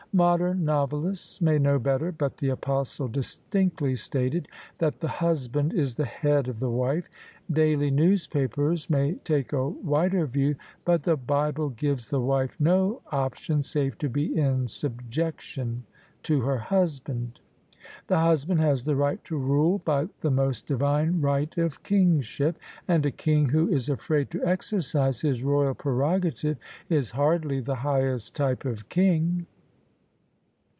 Modern novelists may know better, but the Apostle distinctly stated that the husband is the head of the wife: daily newspapers may take a wider view, but the Bible gives the wife no op tion save to be in subjection to her husband. The husband has the right to rule by the most divine right of kingship: and a king who is afraid to exercise his royal prerogative Is hardly the highest type of king.